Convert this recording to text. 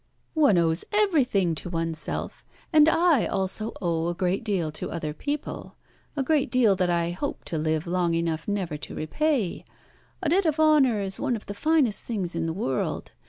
"One owes everything to oneself, and I also owe a great deal to other people a great deal that I hope to live long enough never to repay. A debt of honour is one of the finest things in the world.